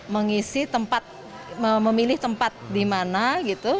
mengisi tempat memilih tempat di mana gitu